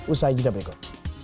usahai jeda berikut